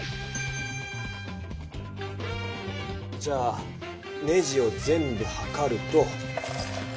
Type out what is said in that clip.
じゃあネジを全部はかると。